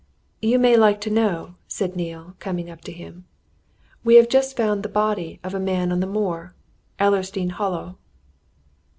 "You may like to know," said Neale, coming up to him, "we have just found the body of a man on the moor Ellersdeane Hollow."